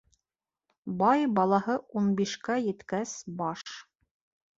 Бай балаһы ун бишкә еткәс баш